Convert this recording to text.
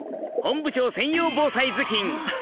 本部長専用防災ずきん。